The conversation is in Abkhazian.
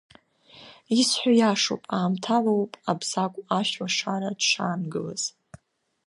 Исҳәо иашоуп, аамҭалоуп Абзагә Ашәлашара дшаангылаз.